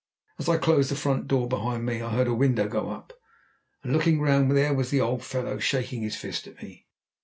As I closed the front door behind me I heard a window go up, and on looking round there was the old fellow shaking his fist at me.